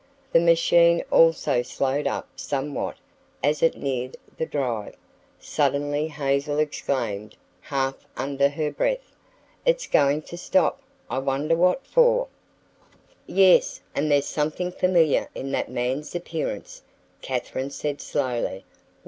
The machine also slowed up somewhat as it neared the drive. Suddenly Hazel exclaimed, half under her breath: "It's going to stop. I wonder what for?" "Yes, and there's something familiar in that man's appearance," Katherine said slowly.